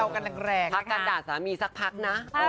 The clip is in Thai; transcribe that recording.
พักกันด่าสามีสักพักนะ